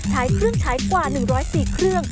ใช้เครื่องใช้กว่า๑๐๔เครื่อง